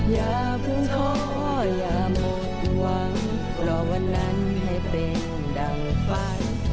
อย่าหมดหวังเพราะวันนั้นให้เป็นดั่งฝัน